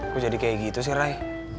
kok jadi kayak gitu sih ray